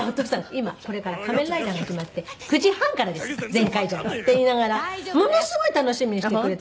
今これから『仮面ライダー』が始まって９時半からです『ゼンカイジャー』は」って言いながらものすごい楽しみにしてくれてるんですけど。